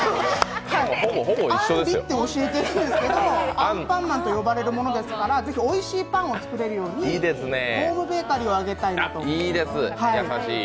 あんりって教えてるんですけど、アンパンマンと呼ばれるものですから、ぜひ、おいしいパンを作れるようにホームベーカリーをあげたいと思います。